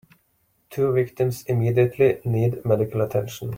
Two victims immediately need medical attention.